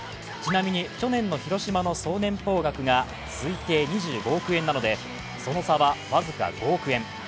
ちなみに去年の広島の総年俸額が推定２５億円なので、その差は僅か５億円。